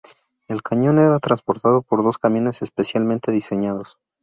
El cañón era transportado por dos camiones especialmente diseñados.